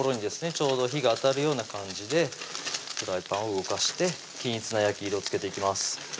ちょうど火が当たるような感じでフライパンを動かして均一な焼き色をつけていきます